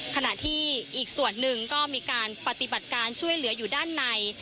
ขณะที่อีกส่วนหนึ่งก็มีการปฏิบัติการช่วยเหลืออยู่ด้านใน